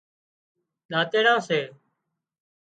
ۮاتيڙان سي